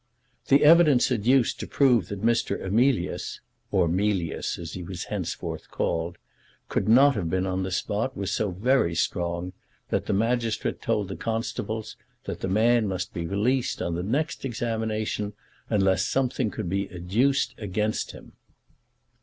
The evidence adduced to prove that Mr. Emilius, or Mealyus, as he was henceforth called, could not have been on the spot was so very strong, that the magistrate told the constables that that man must be released on the next examination unless something could be adduced against him.